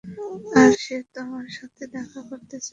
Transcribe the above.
আর সে তোমার সাথেই দেখা করতে চায়।